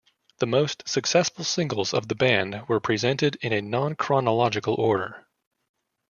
The most successful singles of the band were presented in a non-chronological order.